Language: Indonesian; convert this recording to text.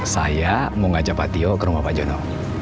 saya mau ngajak pak tio ke rumah pak jono